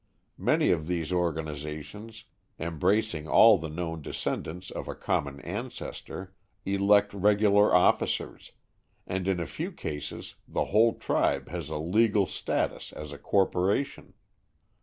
Many of these organizations, embracing all the known descendants of a common ancestor, elect regular officers, and in a few cases the whole tribe has a legal status as a corporation.